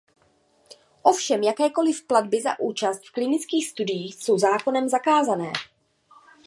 Ovšem jakékoliv platby za účast v klinických studiích jsou zákonem zakázané.